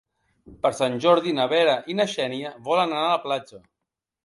Per Sant Jordi na Vera i na Xènia volen anar a la platja.